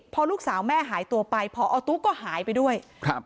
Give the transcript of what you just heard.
พอลูกสาวแม่หายตัวไปพอตุ๊กก็หายไปด้วยครับ